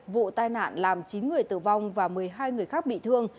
vụ tai nạn làm chín người tử vong và một mươi hai người khác bị thương